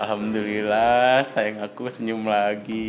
alhamdulillah sayang aku senyum lagi